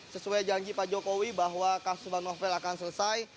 sesuai janji pak jokowi bahwa kasus novel akan selesai